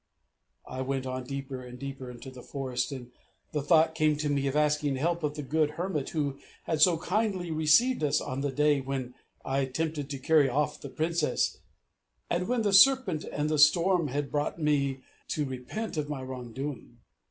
I went on deeper and deeper into the forest, and the thought came to me of asking help of the good Hermit who had so kindly received us on the day when I attempted to carry off the Princess, and when the serpent and the storm had brought me to repent of my wrong doing.